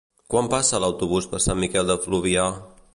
Quan passa l'autobús per Sant Miquel de Fluvià?